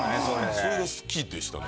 それが好きでしたね。